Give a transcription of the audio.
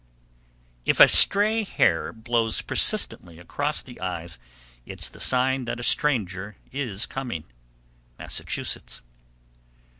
_ 779. If a stray hair blows persistently across the eyes, it's the sign that a stranger is coming. _Massachusetts.